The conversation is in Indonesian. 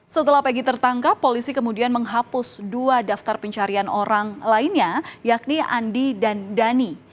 setelah pegi tertangkap polisi kemudian menghapus dua daftar pencarian orang lainnya yakni andi dan dhani